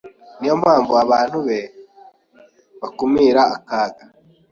Niyo mpamvu abantu be bakumira akaga